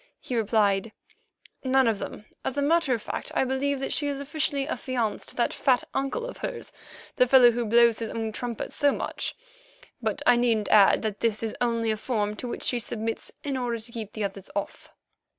He replied: "None of them. As a matter of fact, I believe that she is officially affianced to that fat uncle of hers, the fellow who blows his own trumpet so much, but I needn't add that this is only a form to which she submits in order to keep the others off."